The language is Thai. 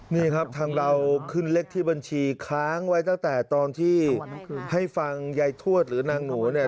นี่ครับทางเราขึ้นเลขที่บัญชีค้างไว้ตั้งแต่ตอนที่ให้ฟังยายทวดหรือนางหนูเนี่ย